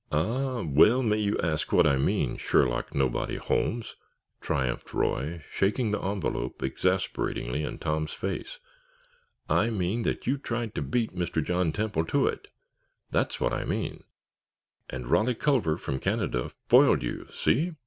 "Ah, well may you ask what I mean, Sherlock Nobody Holmes!" triumphed Roy, shaking the envelope exasperatingly in Tom's face. "I mean that you tried to beat Mr. John Temple to it—that's what I mean! And Rolly Culver from Canada FOILED you! See?"